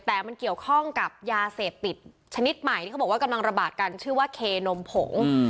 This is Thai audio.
แต่มันเกี่ยวข้องกับยาเสพติดชนิดใหม่ที่เขาบอกว่ากำลังระบาดกันชื่อว่าเคนมผง